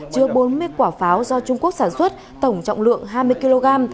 chứa bốn mươi quả pháo do trung quốc sản xuất tổng trọng lượng hai mươi kg